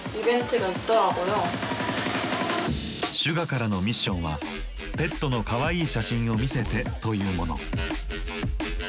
ＳＵＧＡからのミッションはペットのかわいい写真を見せてというもの。